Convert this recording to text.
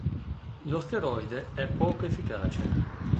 Lo steroide è poco efficace.